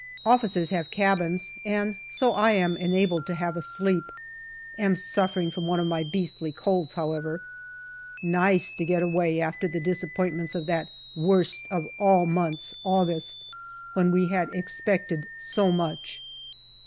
Officers have cabins, and so I am enabled to have a sleep. Am suffering from one of my beastly colds, however. Nice to get away, after the disappointments of that worst of all months, August, when we had expected so much.